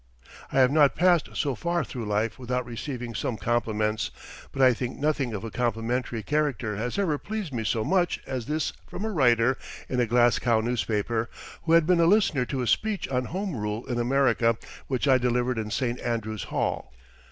I have not passed so far through life without receiving some compliments, but I think nothing of a complimentary character has ever pleased me so much as this from a writer in a Glasgow newspaper, who had been a listener to a speech on Home Rule in America which I delivered in Saint Andrew's Hall.